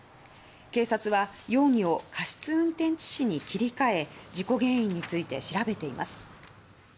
警察は、容疑を過失運転致死に切り替え事故原因について調べています。